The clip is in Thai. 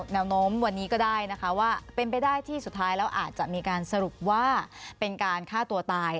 แนวโน้มวันนี้ก็ได้นะคะว่าเป็นไปได้ที่สุดท้ายแล้วอาจจะมีการสรุปว่าเป็นการฆ่าตัวตาย